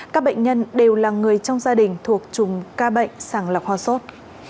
các bệnh nhân đều là người trong gia đình thuộc chùm ca bệnh sàng lọc ho sốt